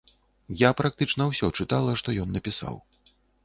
Я практычна ўсё чытала, што ён напісаў.